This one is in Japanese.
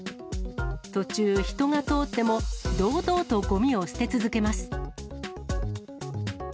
途中、人が通っても、堂々とごみを捨て続けます。